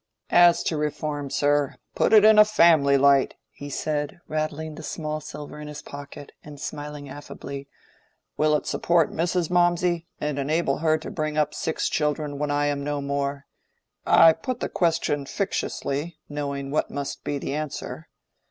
"As to Reform, sir, put it in a family light," he said, rattling the small silver in his pocket, and smiling affably. "Will it support Mrs. Mawmsey, and enable her to bring up six children when I am no more? I put the question fictiously, knowing what must be the answer.